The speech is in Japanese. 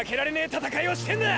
闘いをしてんだ！！